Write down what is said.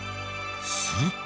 すると。